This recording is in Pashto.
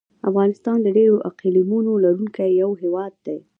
افغانستان د ډېرو اقلیمونو لرونکی یو هېواد دی.